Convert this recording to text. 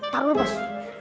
taruh dulu bos